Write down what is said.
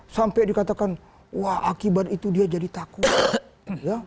sampai dikatakan wah akibat itu dia jadi takut ya